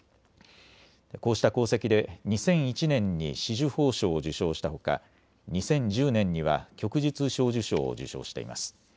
こうした功績で２００１年に紫綬褒章を受章したほか２０１０年には旭日小綬章を受章しています。